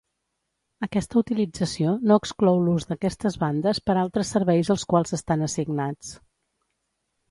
Aquesta utilització no exclou l'ús d'aquestes bandes per altres serveis als quals estan assignats.